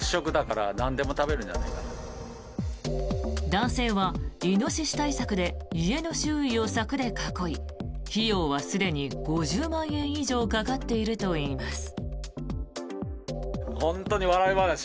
男性はイノシシ対策で家の周囲を柵で囲い費用はすでに５０万円以上かかっているといいます。